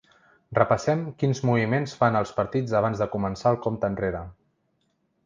Repassem quins moviments fan els partits abans de començar el compte enrere.